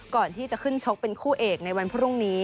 ก่อนที่จะขึ้นชกเป็นคู่เอกในวันพรุ่งนี้